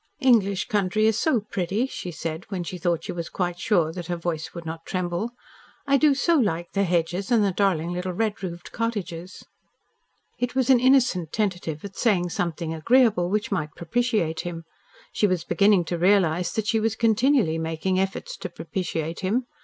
"English country is so pretty," she said, when she thought she was quite sure that her voice would not tremble. "I do so like the hedges and the darling little red roofed cottages." It was an innocent tentative at saying something agreeable which might propitiate him. She was beginning to realise that she was continually making efforts to propitiate him.